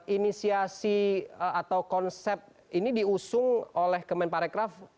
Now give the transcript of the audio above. inisiasi atau konsep ini diusung oleh kemen parekraf